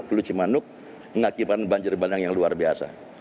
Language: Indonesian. pulau cimanuk mengakibatkan banjir bandang yang luar biasa